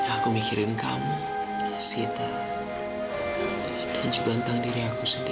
aku mikirin kamu sita dan juga tentang diri aku sendiri